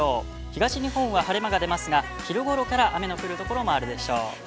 東日本は晴れ間が出ますが昼ごろから雨の降る所があるでしょう。